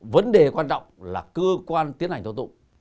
vấn đề quan trọng là cơ quan tiến hành tố tụng